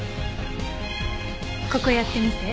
ここやってみて。